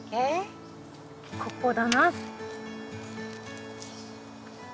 ここだな。